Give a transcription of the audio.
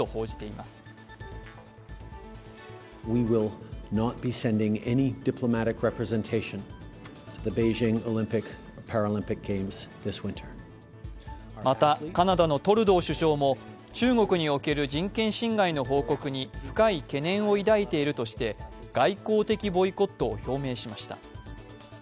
またカナダのトルドー首相も中国における人権侵害の報告に深い懸念を抱いているとして、外交的ボイコットを秘めしました。